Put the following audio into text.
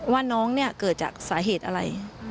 ว่าน้องเนี่ยเกิดจากสาเหตุอะไร